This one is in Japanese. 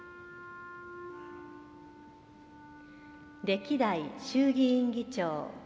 歴代衆議院議長。